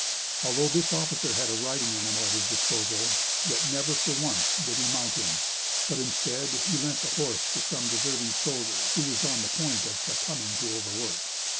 Although this officer had a riding animal at his disposal, yet never for once did he mount him; but instead, he lent the horse to some deserving soldier who was on the point of succumbing to overwork.